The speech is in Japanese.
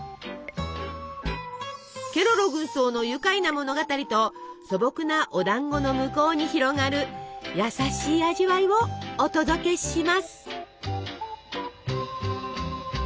ケロロ軍曹の愉快な物語と素朴なおだんごの向こうに広がる優しい味わいをお届けします！